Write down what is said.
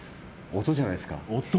音じゃないですか。